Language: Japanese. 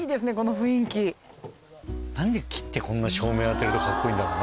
何で木ってこんな照明当てるとカッコいいんだろうな。